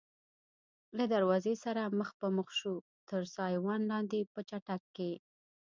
له دروازې سره مخ په مخ شوو، تر سایوان لاندې په چټک کې.